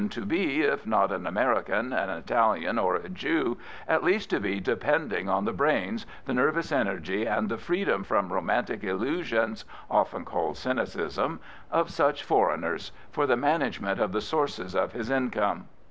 to be, if not an American, an Italian, or a Jew, at least to be depending on the brains, the nervous energy, and the freedom from romantic illusions (often called cynicism) of such foreigners for the management of the sources of his income."